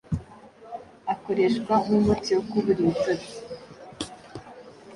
akoreshwa nkumuti wo kubura ibitotsi.